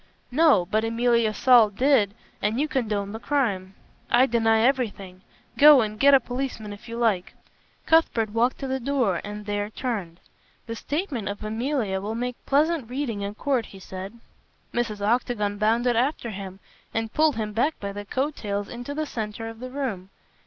"No, but Emilia Saul did, and you condoned the crime." "I deny everything! Go and get a policeman if you like." Cuthbert walked to the door and there turned. "The statement of Emilia will make pleasant reading in court," he said. Mrs. Octagon bounded after him and pulled him back by the coat tails into the centre of the room.